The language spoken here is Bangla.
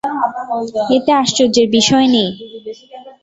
এতে আশ্চর্যের বিষয় নেই।